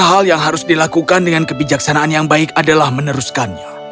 hal yang harus dilakukan dengan kebijaksanaan yang baik adalah meneruskannya